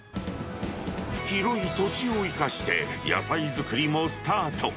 広い土地を生かして、野菜作りもスタート。